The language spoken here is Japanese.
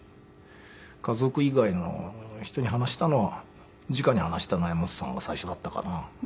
家族以外の人に話したのは直に話したのは柄本さんが最初だったかな。